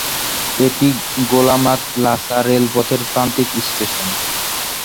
এটি গোলামাদ-লাসা রেলপথের প্রান্তিক স্টেশন।